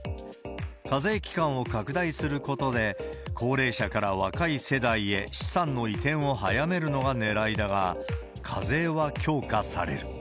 課税期間を拡大することで、高齢者から若い世代へ資産の移転を早めるのがねらいだが、課税は強化される。